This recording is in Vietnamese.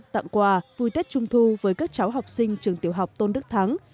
tặng quà vui tết trung thu với các cháu học sinh trường tiểu học tôn đức thắng